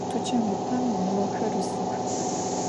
Tuçan gupem nıoxer 'usıx.